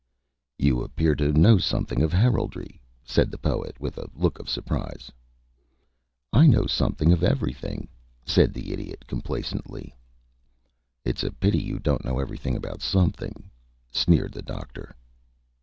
"You appear to know something of heraldry," said the poet, with a look of surprise. "I know something of everything," said the Idiot, complacently. "It's a pity you don't know everything about something," sneered the Doctor.